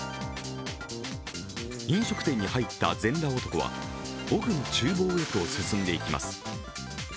飲食店に入った全裸男は奥のちゅう房へと進んでいきます。